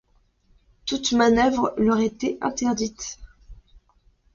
Toute manœuvre leur était interdite.